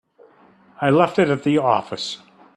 I left it at the office.